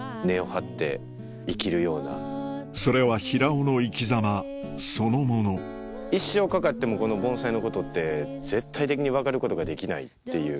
それは平尾の生き様そのもの一生かかってもこの盆栽のことって絶対的に分かることができないっていう。